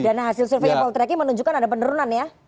dan hasil surveinya poltrek menunjukkan ada penurunan ya